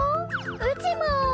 うちも。